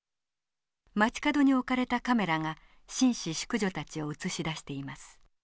街角に置かれたカメラが紳士淑女たちを映し出しています。